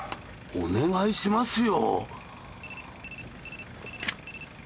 お願いしますよ。